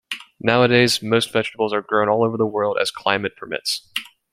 Nowadays, most vegetables are grown all over the world as climate permits.